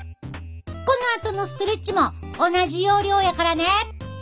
このあとのストレッチも同じ要領やからね。